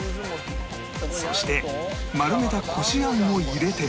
そして丸めたこしあんを入れて